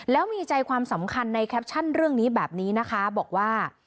แล้วมีใจความสำคัญในแคปชั่นเรื่องนี้แบบนี้นะคะบอกว่า